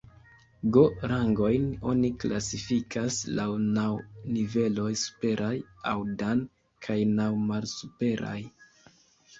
Go-rangojn oni klasifikas laŭ naŭ niveloj superaj, aŭ "Dan", kaj naŭ malsuperaj.